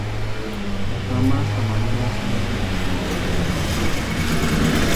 Las ramas, amarillas, son muy ornamentales.